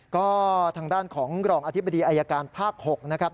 ก็ทางด้านของรองอธิบดีอายการภาค๖นะครับ